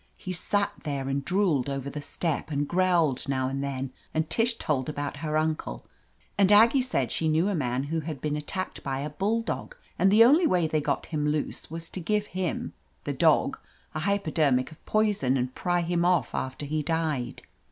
He sat there and drooled over the step, and growled now and then, and Tish told about her uncle, and Aggie said she knew a man who had been attacked by a bulldog, and the only way they got him loose was to give him — the dog — a hypodermic of poison and pry him off after he died.